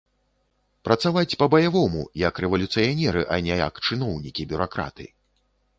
Працаваць па-баявому, як рэвалюцыянеры, а не як чыноўнікі, бюракраты.